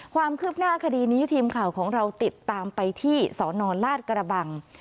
ความคืบหน้าคดีนี้ทีมข่าวของเราติดตามไปที่สนลาดกระบัง